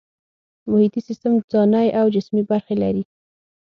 محیطي سیستم ځانی او جسمي برخې لري